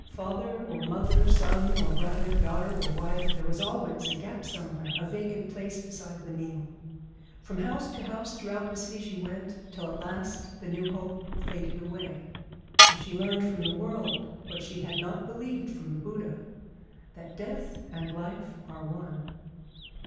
Father or mother, son or brother, daughter or wife, there was always a gap somewhere, a vacant place beside the meal. From house to house throughout the city she went, till at last the new hope faded away, and she learned from the world, what she had not believed from the Buddha, that death and life are one.